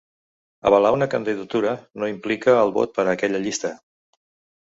Avalar una candidatura no implica el vot per a aquella llista.